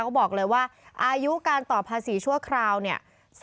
เขาบอกเลยว่าอายุการต่อภาษีชั่วคราวเนี่ย